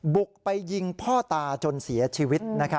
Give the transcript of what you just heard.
บุกไปยิงพ่อตาจนเสียชีวิต